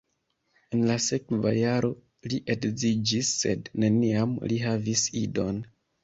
En la sekva jaro li edziĝis sed neniam li havis idon.